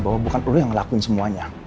bahwa bukan perlu yang ngelakuin semuanya